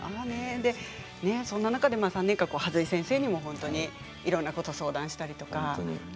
そんな中で３年間、筈井先生にもいろんなことを相談したりとか。